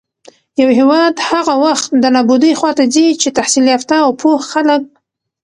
يـو هېـواد هـغه وخـت د نـابـودۍ خـواتـه ځـي چـې تحـصيل يافتـه او پـوه خلـک